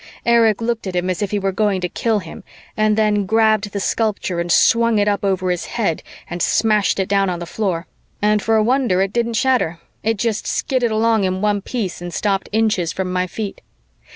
Erich looked at him as if he were going to kill him, and then grabbed the sculpture and swung it up over his head and smashed it down on the floor, and for a wonder, it didn't shatter. It just skidded along in one piece and stopped inches from my feet.